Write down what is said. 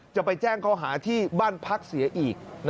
จะไปแจ้งเขาหาที่บ้านพักเสียอีก